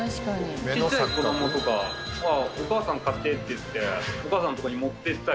小さい子どもとかは「お母さん買って」って言ってお母さんのとこに持っていったり。